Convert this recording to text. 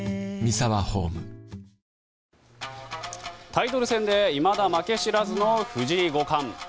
タイトル戦でいまだ負け知らずの藤井五冠。